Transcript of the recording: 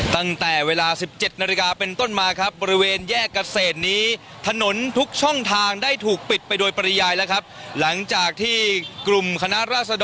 ตั้งแต่เวลา๑๗นาฬิกาเป็นต้นมาครับบริเวณแยกเกษตรนี้ถนนทุกช่องทางได้ถูกปิดไปโดยปริยายแล้วครับหลังจากที่กลุ่มคณะราษฎร